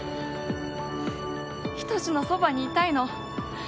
仁のそばにいたいの。